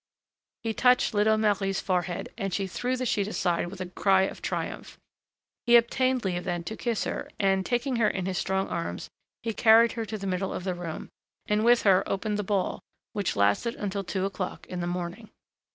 He touched little Marie's forehead, and she threw the sheet aside with a cry of triumph. He obtained leave then to kiss her, and, taking her in his strong arms, he carried her to the middle of the room, and with her opened the ball, which lasted until two o'clock in the morning.